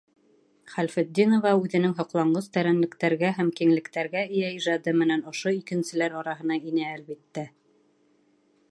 Хәлфетдинова үҙенең һоҡланғыс тәрәнлектәргә һәм киңлектәргә эйә ижады менән ошо икенселәр араһына инә, әлбиттә.